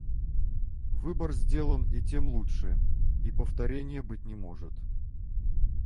Выбор сделан, и тем лучше... И повторенья быть не может.